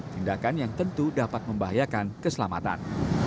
tindakan yang tentu dapat membahayakan keselamatan